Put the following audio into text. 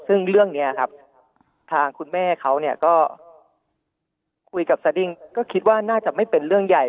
ซึ่งเรื่องนี้ครับทางคุณแม่เขาก็คุยกับสดิ้งก็คิดว่าน่าจะไม่เป็นเรื่องใหญ่